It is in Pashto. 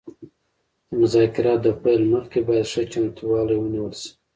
د مذاکراتو د پیل مخکې باید ښه چمتووالی ونیول شي